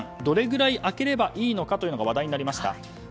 どれぐらい空ければいいのか話題になりました。